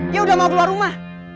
dia udah mau keluar rumah